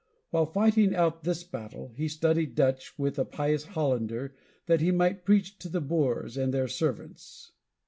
While fighting out this battle, he studied Dutch with a pious Hollander, that he might preach to the Boers and their servants.